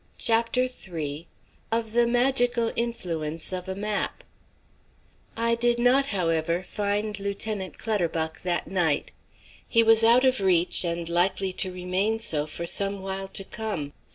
CHAPTER III OF THE MAGICAL INFLUENCE OF A MAP I did not, however, find Lieutenant Clutterbuck that night. He was out of reach, and likely to remain so for some while to come.